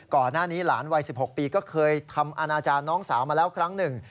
ก่อนหน้านี้หลานวัย๑๖ปีก็เคยทำอาณาจารย์น้องสาวมาแล้วครั้งหนึ่ง